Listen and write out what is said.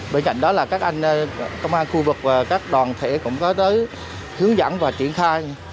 bên cạnh đó là các anh công an khu vực và các đoàn thể cũng có tới hướng dẫn và triển khai